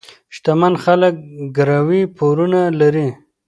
شتمن خلک ګروۍ پورونه لري.